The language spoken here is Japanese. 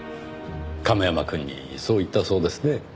亀山くんにそう言ったそうですね？